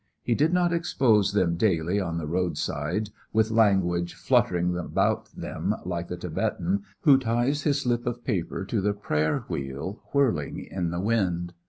He did not expose them daily on the roadside with language fluttering about them like the Thibetan who ties his slip of paper to the prayer wheel whirling in the wind.